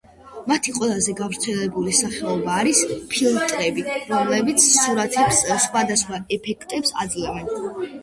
მათი ყველაზე გავრცელებული სახეობა არის ფილტრები, რომლებიც სურათებს სხვადასხვა ეფექტებს აძლევენ.